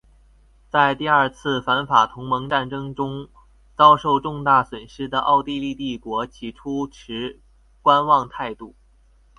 在第二次反法同盟战争中遭受重大损失的奥地利帝国起初持观望态度。